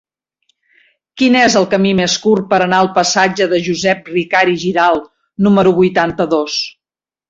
Quin és el camí més curt per anar al passatge de Josep Ricart i Giralt número vuitanta-dos?